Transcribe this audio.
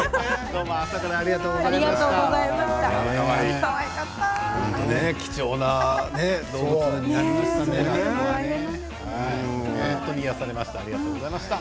朝からありがとうございました。